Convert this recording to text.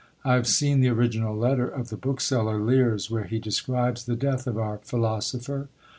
I have seen the original letter of the bookseller Leers, where he describes the death of our philosopher.